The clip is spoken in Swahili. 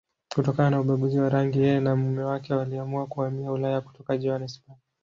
Kutokana na ubaguzi wa rangi, yeye na mume wake waliamua kuhamia Ulaya kutoka Johannesburg.